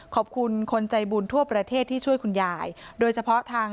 ขอบคุณคนใจบุญทั่วประเทศที่ช่วยคุณยายโดยเฉพาะทาง